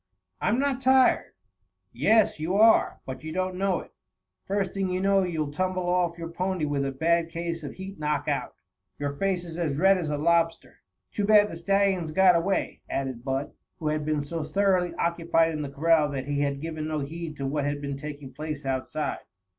"I'm not tired." "Yes, you are, but you don't know it. First thing you know, you'll tumble off your pony with a bad case of heat knock out. Your face is as red as a lobster. Too bad the stallions got away," added Bud, who had been so thoroughly occupied in the corral that he had given no heed to what had been taking place outside.